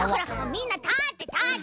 みんなたってたって！